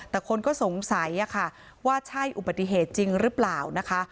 แต่คนก็สงสัยค่ะว่าใช่อุบัติเหตุจริงหรือเปล่านะคะ